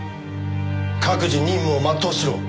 各自任務を全うしろ。